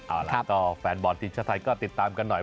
เอาล่ะก็แฟนบอลทีมชาติไทยก็ติดตามกันหน่อย